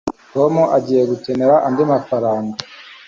tom agiye gukenera andi mafaranga